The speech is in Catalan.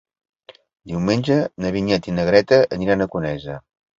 Diumenge na Vinyet i na Greta aniran a Conesa.